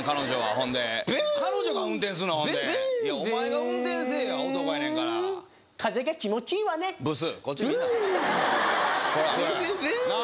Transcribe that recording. ほんでいやお前が運転せえや男やねんから風が気持ちいいわねブスこっち見んなほらおいなあ